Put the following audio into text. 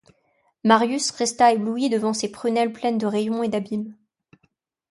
Marius resta ébloui devant ces prunelles pleines de rayons et d’abîmes.